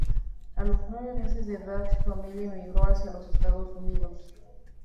A los nueve meses de edad, su familia emigró hacía los Estados Unidos.